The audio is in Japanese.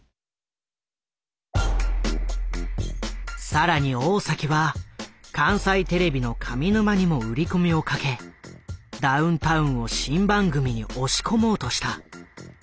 更に大は関西テレビの上沼にも売り込みをかけダウンタウンを新番組に押し込もうとした。